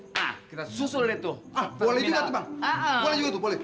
nah kita susul deh tuh ah boleh juga tuh bang boleh juga itu boleh